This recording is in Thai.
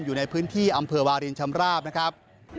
อยู่ในพื้นที่อำเภอวารินชำราบนะครับ